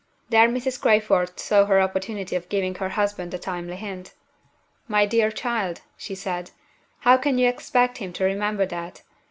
There Mrs. Crayford saw her opportunity of giving her husband a timely hint. "My dear child!" she said; "how can you expect him to remember that?